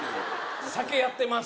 酒やってます